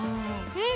うん！